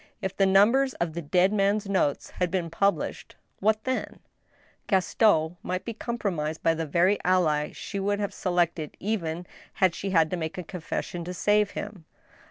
If the numbers of the dead man's notes had been . published — what then ? Gaston might be compromised by the very ally she would have selected even had she had to make a confession to save him.